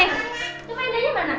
itu mainannya mana